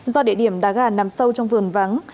do địa điểm đá gà nằm sâu trong vườn vắng